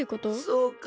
そうか。